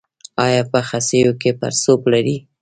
ایا په خصیو کې پړسوب لرئ؟